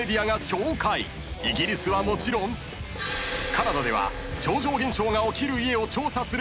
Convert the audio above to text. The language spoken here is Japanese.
［イギリスはもちろんカナダでは超常現象が起きる家を調査する番組にも出演］